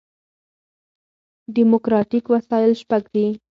ډیموکراټیک وسایل شپږ دي.